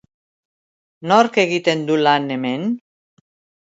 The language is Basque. Nork egiten du lan hemen?